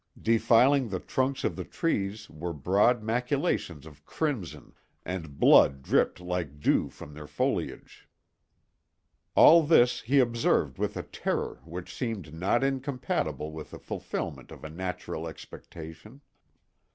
Defiling the trunks of the trees were broad maculations of crimson, and blood dripped like dew from their foliage. All this he observed with a terror which seemed not incompatible with the fulfillment of a natural expectation.